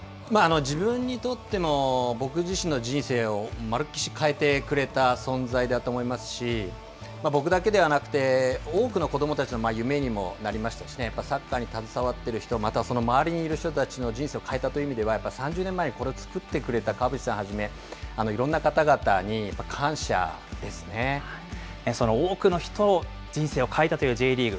自分にとっても、僕自身の人生をまるっきし変えてくれた存在だと思いますし、僕だけではなくて、多くの子どもたちの夢にもなりましたしね、やっぱサッカーに携わっている人、またはその周りにいる人たちの人生を変えたという意味では、３０年前にこれを作ってくれたかわぶちさんはじめ、その多くの人の人生を変えたというＪリーグ。